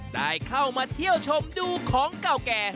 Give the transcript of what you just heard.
ได้เข้ามาเที่ยวชมดูของเก่าแก่